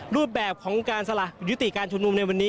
รูปแบบของการสละยุติการชุมนุมในวันนี้